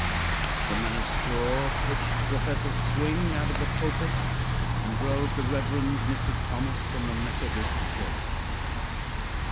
The man of straw pitched Prof. Swing out of the pulpit and drove the Rev. Mr. Thomas from the Methodist Church.